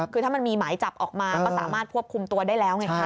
คือถ้ามันมีหมายจับออกมาก็สามารถควบคุมตัวได้แล้วไงคะ